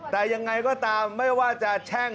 แต่ยังไงก็ตามไม่ว่าจะแช่ง